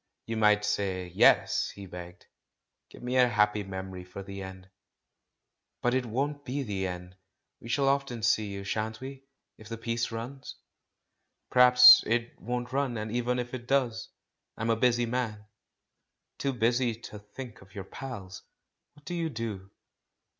"You might say 'yes,' " he begged. "Give me a happy memory for the end." "But it won't be the end; we shall often see you, shan't we, if the piece runs?" 410 THE MAN WHO UNDERSTOOD WOMEN "Perhaps it won't run. And even if it does — I'm a busy man." "Too busy to think of your pals? What do you do?"